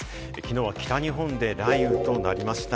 きのう北日本で雷雨となりました。